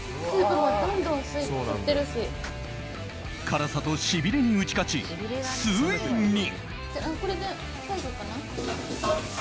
辛さとしびれに打ち勝ちついに。